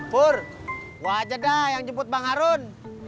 pur wajah dah yang jemput bang harun